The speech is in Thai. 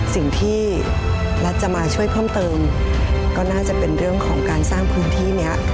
สิ่งที่รัฐจะมาช่วยเพิ่มเติมก็น่าจะเป็นเรื่องของการสร้างพื้นที่นี้